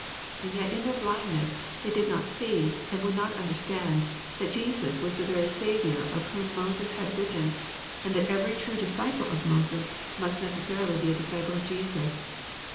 And yet in their blindness they did not see, and would not understand, that Jesus was the very Saviour of whom Moses had written, and that every true disciple of Moses must necessarily be a disciple of Jesus.